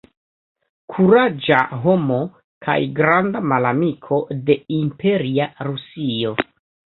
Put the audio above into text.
Kuraĝa homo kaj granda malamiko de imperia Rusio.